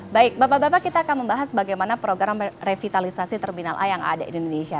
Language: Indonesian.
baik bapak bapak kita akan membahas bagaimana program revitalisasi terminal a yang ada di indonesia